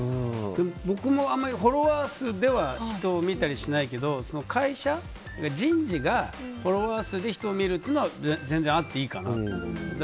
僕もフォロワー数ではあまり人を見たりしないけど会社、人事がフォロワー数で人を見るというのは全然あっていいかなって思う。